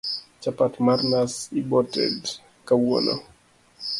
chapat mar nas iboted kawuono